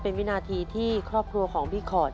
เป็นวินาทีที่ครอบครัวของพี่ขอด